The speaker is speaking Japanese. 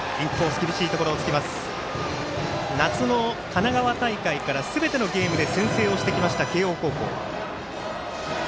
夏の神奈川大会からすべてのゲームで先制をしてきた慶応高校。